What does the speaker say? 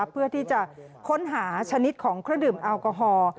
เพื่อที่จะค้นหาชนิดของเครื่องดื่มแอลกอฮอล์